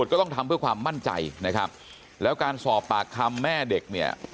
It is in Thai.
ก็ต้องทำเพื่อความมั่นใจนะครับแล้วการสอบปากคำแม่เด็กเนี่ย